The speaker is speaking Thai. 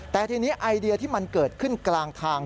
แต่ทีนี้ไอเดียที่มันเกิดขึ้นกลางทาง